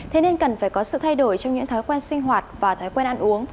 thế nên cần phải có sự thay đổi trong những thói quen sinh hoạt và thói quen ăn uống